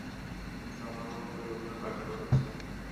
কিন্তু আমার কোন পরিকল্পনা কার্যকর হচ্ছে না।